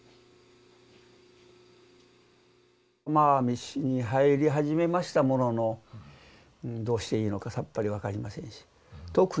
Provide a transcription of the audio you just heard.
まあ熱心に入り始めましたもののどうしていいのかさっぱり分かりませんでした。